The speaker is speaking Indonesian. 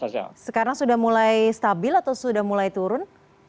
sekarang sudah mulai stabil atau sudah mulai turun